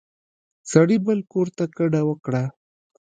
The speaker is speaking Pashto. سړي بل کور ته کډه وکړه.